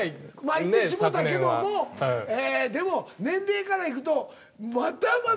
いってしもたけどもでも年齢からいくとまだまだ。